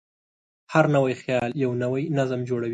هر نوی خیال یو نوی نظم جوړوي.